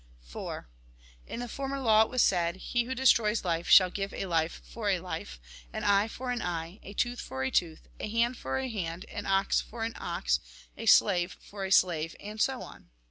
IV. In the former law it was said :" He who destroys life, shall give a life for a life ; an eye for an eye, a tooth for a tooth, a hand for a hand, an ox for an ox, a slave for a slave," and so on.